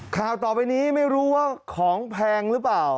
ข่าวต่อไปนี้ไม่รู้ว่าของแพงหรือเปล่า